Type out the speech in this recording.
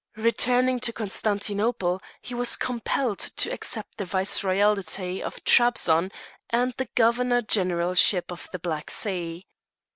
Returning to Constantinople, he was compelled to accept the Viceroyalty of Trebizond, and the Governor Generalship of the Black Sea.